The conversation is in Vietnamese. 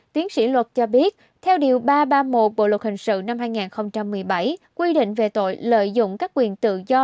tiến sĩ luật cho biết theo điều ba trăm ba mươi một bộ luật hình sự năm hai nghìn một mươi bảy quy định về tội lợi dụng các quyền tự do